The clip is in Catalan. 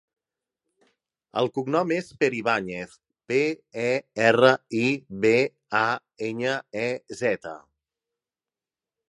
El cognom és Peribañez: pe, e, erra, i, be, a, enya, e, zeta.